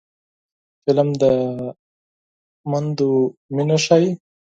فلم د میندو مینه ښيي